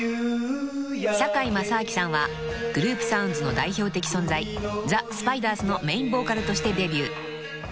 ［堺正章さんはグループ・サウンズの代表的存在ザ・スパイダースのメインボーカルとしてデビュー］